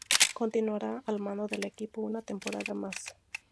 Continuaría al mando del equipo una temporada más.